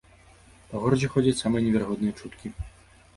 Па горадзе ходзяць самыя неверагодныя чуткі.